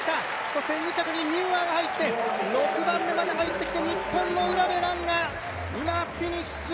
そして２着にミューアが入って６番目まで入ってきて日本の卜部蘭が、今フィニッシュ。